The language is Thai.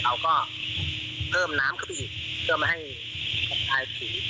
เขาก็เพิ่มน้ำขึ้นไปให้เกือบให้สมบั๖๗กกก